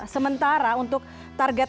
sementara untuk target transaksi